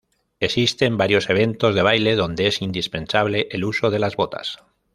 Existen varios eventos de baile donde es indispensable el uso de las botas.